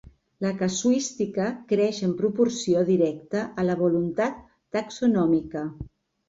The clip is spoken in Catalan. La casuística creix en proporció directa a la voluntat taxonòmica.